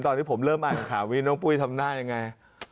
ตอนที่ผมเริ่มอ่านข่าวนี้น้องปุ้ยทำหน้ายังไง